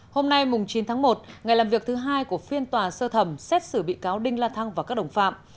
hôm nay chín tháng một ngày làm việc thứ hai của phiên tòa sơ thẩm xét xử bị cáo đinh la thăng và các đồng phạm